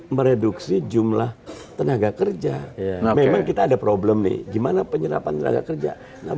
mereduksi jumlah tenaga kerja memang kita ada problem nih gimana penyerapan tenaga kerja nah